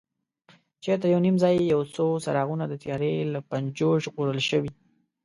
چېرته یو نیم ځای یو څو څراغونه د تیارې له پنجو ژغورل شوي.